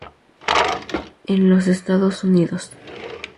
En los Estados Unidos.